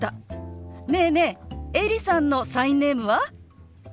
ねえねえエリさんのサインネームは？